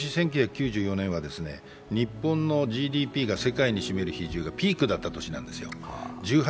この年、１９９４年は日本のＧＤＰが世界に占める比重がピークだった年なんです。